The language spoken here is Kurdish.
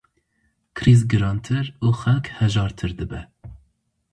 Krîz girantir û xelk hejartir dibe.